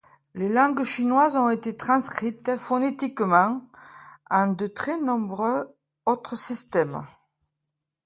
Les langues chinoises ont été transcrites phonétiquement en de très nombreux autres systèmes.